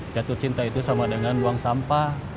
jatuh cinta itu sama dengan buang sampah